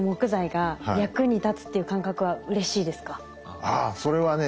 ああそれはね